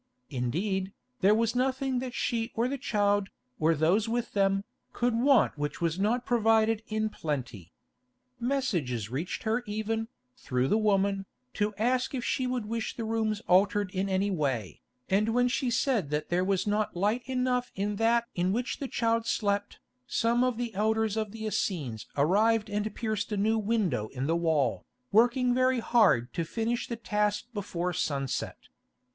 Indeed, there was nothing that she or the child, or those with them, could want which was not provided in plenty. Messages reached her even, through the woman, to ask if she would wish the rooms altered in any way, and when she said that there was not light enough in that in which the child slept, some of the elders of the Essenes arrived and pierced a new window in the wall, working very hard to finish the task before sunset.